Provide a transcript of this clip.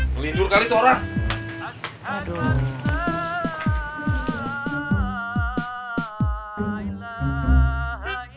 ngelidur kali tuh orang